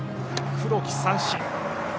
黒木、三振。